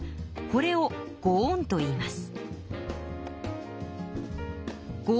これを奉公といいます。